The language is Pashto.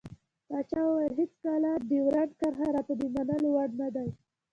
پاچا وويل هېڅکله ډيورند کرښه راته د منلو وړ نه دى.